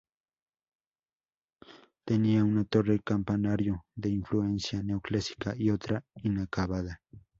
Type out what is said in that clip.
Tenía una torre campanario de influencia neoclásica y otra inacabada.